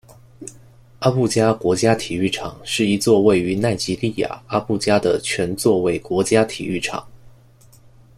阿布加国家体育场是一座位于奈及利亚阿布加的全座位国家体育场。